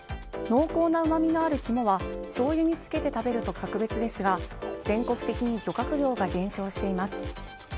濃厚なうまみのある肝はしょうゆにつけて食べると別格ですが全国的に漁獲量が減少しています。